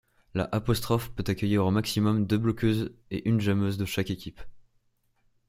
La ' peut accueillir au maximum deux bloqueuses et une jammeuse de chaque équipe.